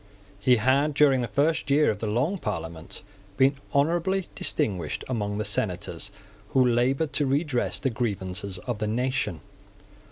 He had, during the first year of the Long Parliament, been honourably distinguished among the senators who laboured to redress the grievances of the nation.